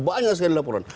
banyak sekali laporan